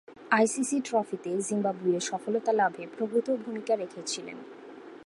ICC ট্রফিতে জিম্বাবুয়ের সফলতা লাভে প্রভূত ভূমিকা রেখেছিলেন।